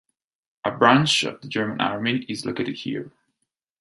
A branch of the German Army is located here.